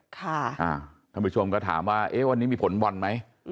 ค่ะคุณผู้ชมก็ถามว่าเอ๊ะวันนี้มีผลบอลไหม